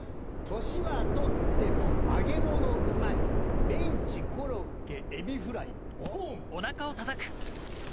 年はとっても揚げ物うまいメンチコロッケエビフライポン！